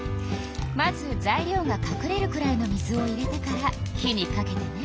まず材料がかくれるくらいの水を入れてから火にかけてね。